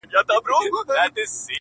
• راته ښكلا راوړي او ساه راكړي.